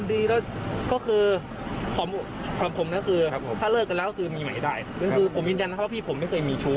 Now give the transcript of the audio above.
มีไหมได้ก็คือผมยินยันนะครับว่าพี่ผมไม่เคยมีชู้